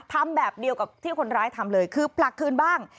ทำแบบเดียวกับที่คนร้ายทำเลยคือผลักคืนบ้าง